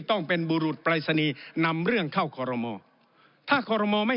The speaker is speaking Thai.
ต้องเป็นบุรุษปรายศนีย์นำเรื่องเข้าคอรมอถ้าคอรมอลไม่